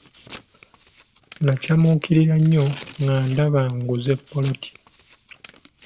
Nakyamuukirira nnyo nga ndaba nguze ppoloti.